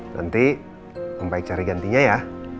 nanti om baik cari gantinya ya